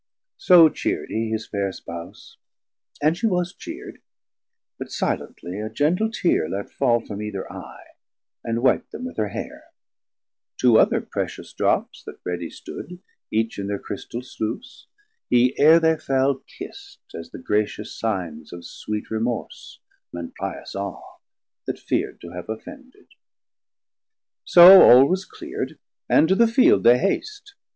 So cheard he his fair Spouse, and she was cheard, But silently a gentle tear let fall 130 From either eye, and wip'd them with her haire; Two other precious drops that ready stood, Each in thir chrystal sluce, hee ere they fell Kiss'd as the gracious signs of sweet remorse And pious awe, that feard to have offended. So all was cleard, and to the Field they haste.